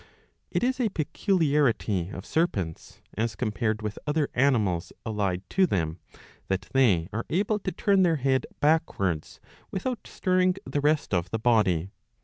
It • is a peculiarity of serpents, as compared with other animals allied to them, that they are able to turn their head backwards without stirring the rest of the body.